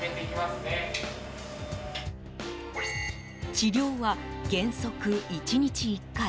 治療は、原則１日１回。